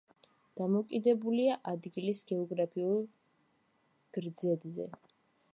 დამოკიდებულია ადგილის გეოგრაფიულ გრძედზე.